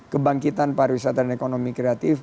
kebangkitan pariwisata dan ekonomi kreatif